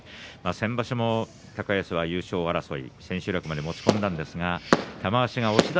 先場所、高安は優勝争い千秋楽まで持ち込みました。